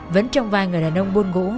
vẫn trong vai người đàn ông buôn gỗ